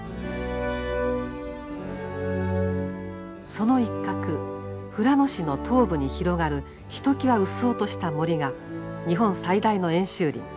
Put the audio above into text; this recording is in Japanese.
その一角富良野市の東部に広がるひときわうっそうとした森が日本最大の演習林